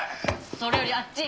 それよりあっち。